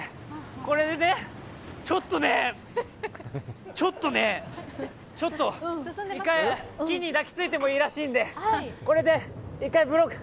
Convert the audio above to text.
これでね、ちょっとねちょっとね、木に抱きついてもいいらしいんで、これで一回ブロック。